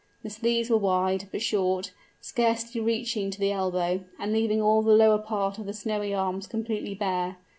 The sleeves were wide, but short, scarcely reaching to the elbow, and leaving all the lower part of the snowy arms completely bare.